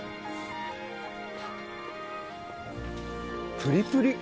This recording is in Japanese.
プリプリ！